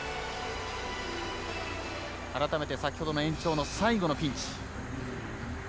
改めて先ほどの延長の最後のピンチ。